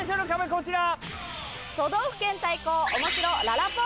こちら！